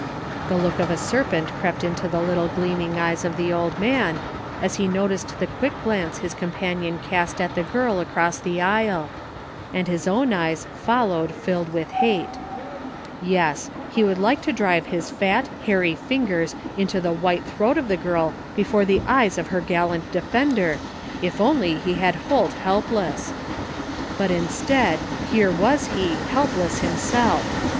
The look of a serpent crept into the little gleaming eyes of the old man as he noticed the quick glance his companion cast at the g^rl across the aisle; and his owi^ eyes followed filled with hate. Yes, he would like to drive his fat, hairy fingers into the white throat of the girl before the eyes of her gal lant defender if only he had Holt helpless ! But instead, here was he, helpless himself!